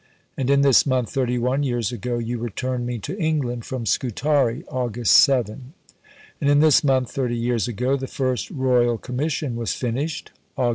And in this month 31 years ago you returned me to England from Scutari (Aug. 7). And in this month 30 years ago the first Royal Commission was finished (Aug.